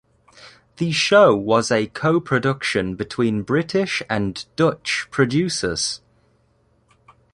The show was a co-production between British and Dutch producers.